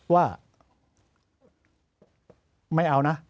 ว่าไม่เอานะ